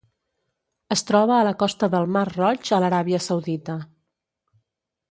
Es troba a la costa del mar Roig a l'Aràbia Saudita.